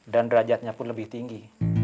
dan derajatnya pun lebih tinggi